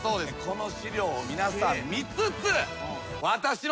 この資料を皆さん見つつ。